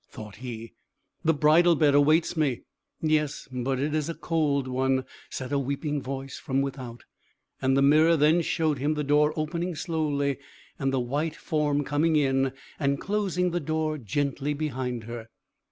thought he. "The bridal bed awaits me." "Yes, but it is a cold one," said a weeping voice from without; and the mirror then showed him the door opening slowly, and the white form coming in, and closing the door gently behind her.